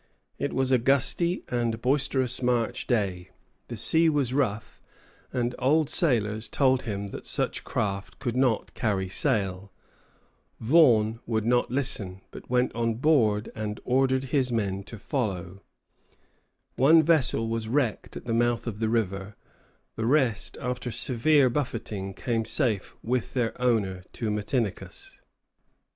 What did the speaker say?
It was a gusty and boisterous March day, the sea was rough, and old sailors told him that such craft could not carry sail. Vaughan would not listen, but went on board and ordered his men to follow. One vessel was wrecked at the mouth of the river; the rest, after severe buffeting, came safe, with their owner, to Matinicus.